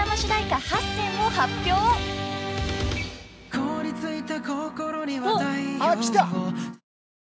「『凍りついた心には太陽を』」あっきた！